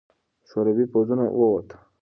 شوروي پوځونه ووته.